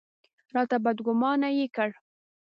راته بدګومانه یې کړ.